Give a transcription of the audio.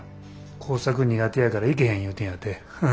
工作苦手やから行けへん言うてんやて。